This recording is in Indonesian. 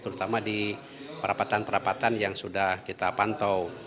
terutama di perapatan perapatan yang sudah kita pantau